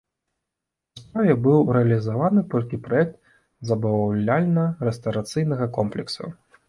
На справе быў рэалізаваны толькі праект забаўляльна-рэстарацыйнага комплексу.